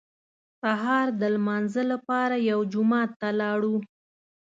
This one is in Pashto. سهار د لمانځه لپاره یو جومات ته لاړو.